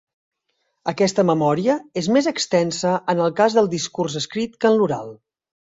Aquesta memòria és més extensa en el cas del discurs escrit que en l'oral.